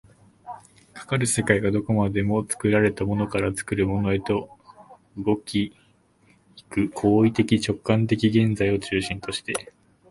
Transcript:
かかる世界はどこまでも作られたものから作るものへと、動き行く行為的直観的現在を中心として、